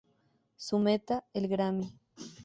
Su meta: el Grammy.